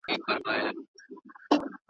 تحول تدریجي وي.